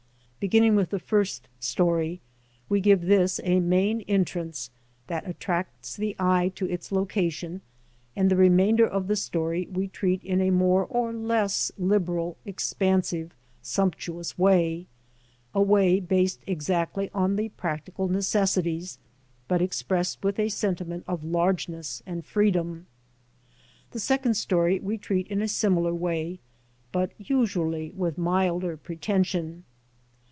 405 Beginning with the first story, we give this a main entrance that attracts the eye to its location, and the remainder of the story we treat in a more or less liberal, expansive, sumptuous way, ŌĆö a way based exactly on the practical necessities, but expressed with a sentiment of largeness and freedom. The second story we treat in a similar way, but usually with milder pretension.